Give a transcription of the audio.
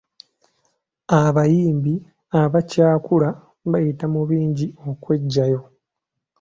Abayimbi abakyakula bayita mu bingi okweggyayo.